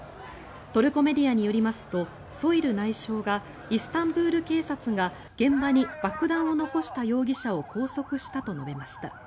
トルコメディアによりますとソイル内相がイスタンブール警察が現場に爆弾を残した容疑者を拘束したと述べました。